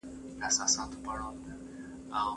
حقوقو پوهنځۍ په ناڅاپي ډول نه انتقالیږي.